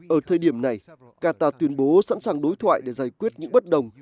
ở thời điểm này qatar tuyên bố sẵn sàng đối thoại để giải quyết những bất đồng